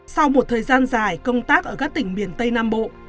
sau một thời gian dài công tác ở các tỉnh miền tây nam bộ